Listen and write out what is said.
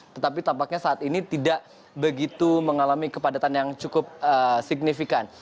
tetapi tampaknya saat ini tidak begitu mengalami kepadatan yang cukup signifikan